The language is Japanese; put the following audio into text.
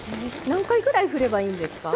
何回ぐらい振ればいいんですか？